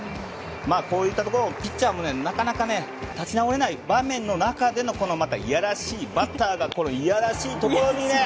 こういったところもピッチャーがなかなか立ち直れない場面の中でのまたいやらしいバッターがいやらしいところにね。